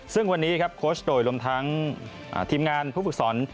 ซึ่งวันนี้ครับโค้ชโดยรวมทั้งทีมงานผู้ฝึกสอน